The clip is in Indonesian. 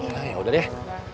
ya yaudah deh